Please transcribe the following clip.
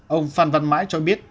ông phan văn mãi cho biết